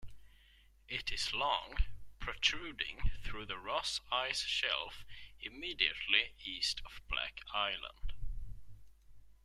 It is long, protruding through the Ross Ice Shelf immediately east of Black Island.